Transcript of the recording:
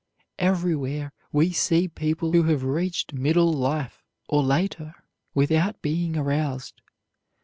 Everywhere we see people who have reached middle life or later without being aroused.